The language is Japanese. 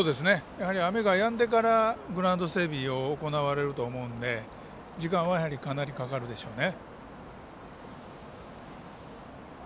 雨がやんでからグラウンド整備を行われると思うので時間は、かなりかかるでしょうね。